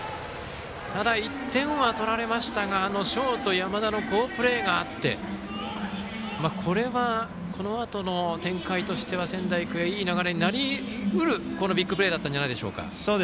ただ、１点は取られましたがあのショート、山田の好プレーがあってこれは、このあとの展開としては仙台育英、いい流れになりうるこのビッグプレーだったんじゃないでしょうか。